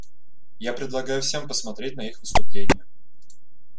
Я предлагаю всем посмотреть на их выступление.